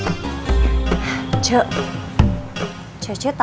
mereka mungkin kayak busainya